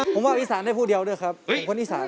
ผมว่าอีสานได้ผู้เดียวด้วยครับผมคนอีสาน